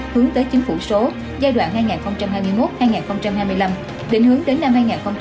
hướng tới chính phủ số giai đoạn hai nghìn hai mươi một hai nghìn hai mươi năm định hướng đến năm hai nghìn ba mươi